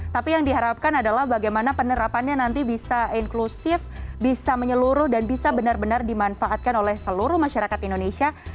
tapi yang diharapkan adalah bagaimana penerapannya nanti bisa inklusif bisa menyeluruh dan bisa benar benar dimanfaatkan oleh seluruh masyarakat indonesia